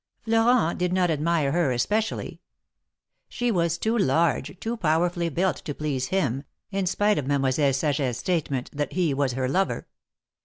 Florent did not admire her especially. She was too large, too powerfully built to please him, in spite of Mademoiselle Saget's statement that he was her lover.